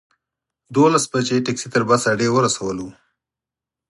دولس بجې ټکسي تر بس اډې ورسولو.